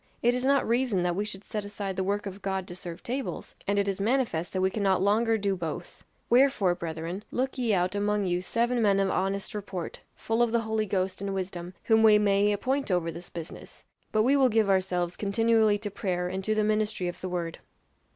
'It is not reason that we should set aside the work of God to serve tables' and it is manifest that we cannot longer do both 'wherefore, brethren, look ye out among you seven men of honest report, full of the Holy Ghost and wisdom, whom we may appoint over this business. But we will give ourselves continually to prayer and to the ministry of the word.